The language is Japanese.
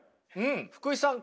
福井さん